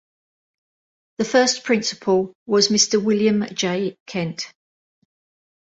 The first principal was Mr. William J. Kent.